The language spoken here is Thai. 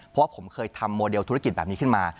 เพราะว่าผมเคยทำโมเดลธุรกิจแบบนี้ขึ้นมา